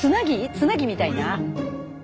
つなぎみたいな？